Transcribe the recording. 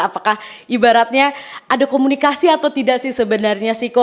apakah ibaratnya ada komunikasi atau tidak sih sebenarnya siko